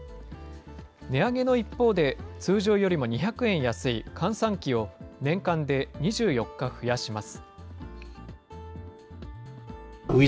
値上げの一方で通常よりも２００円安い閑散期を年間で２４日増やします。